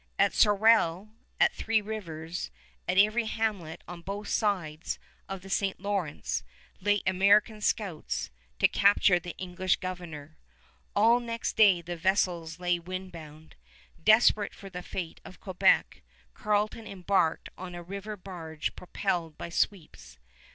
At Sorel, at Three Rivers, at every hamlet on both sides of the St. Lawrence, lay American scouts to capture the English Governor. All next day the vessels lay wind bound. Desperate for the fate of Quebec, Carleton embarked on a river barge propelled by sweeps.